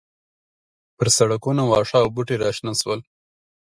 پر سړکونو واښه او بوټي راشنه شول.